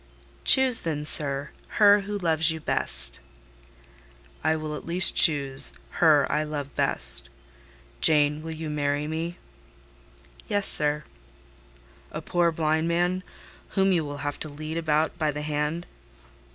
"Choose then, sir—her who loves you best." "I will at least choose—her I love best. Jane, will you marry me?" "Yes, sir." "A poor blind man, whom you will have to lead about by the hand?"